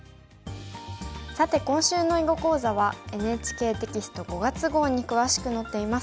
さて今週の囲碁講座はＮＨＫテキスト５月号に詳しく載っています。